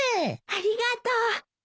ありがとう。